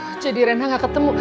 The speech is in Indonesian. aduh jadi rena gak ketemu